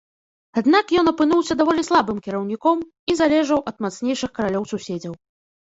Аднак ён апынуўся даволі слабым кіраўніком і залежаў ад мацнейшых каралёў-суседзяў.